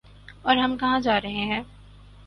اورہم کہاں جارہے ہیں؟